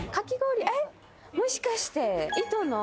えっもしかして糸の？